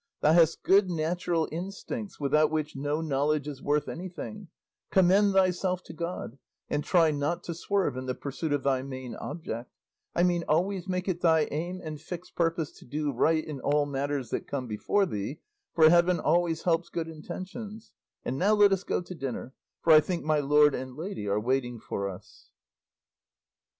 Thou hast good natural instincts, without which no knowledge is worth anything; commend thyself to God, and try not to swerve in the pursuit of thy main object; I mean, always make it thy aim and fixed purpose to do right in all matters that come before thee, for heaven always helps good intentions; and now let us go to dinner, for I think my lord and lady are waiting for us."